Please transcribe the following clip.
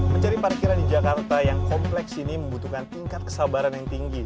mencari parkiran di jakarta yang kompleks ini membutuhkan tingkat kesabaran yang tinggi